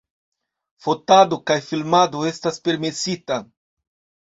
Fotado kaj filmado estas permesita.